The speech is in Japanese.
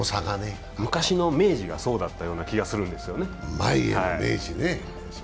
昔の明治がそうだったような気がするんですよね。